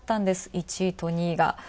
１位と２位が。